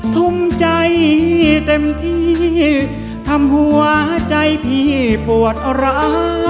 ทุ่มใจเต็มที่ทำหัวใจพี่ปวดร้า